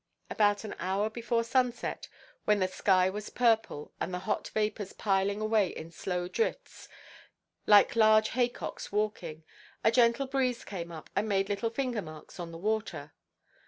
About an hour before sunset, when the sky was purple, and the hot vapours piling away in slow drifts, like large haycocks walking, a gentle breeze came up and made little finger–marks on the water.